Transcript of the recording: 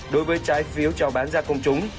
đối với trái phiếu cho bán ra công chúng